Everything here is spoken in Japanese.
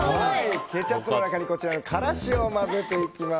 ケチャップの中に辛子を混ぜていきます。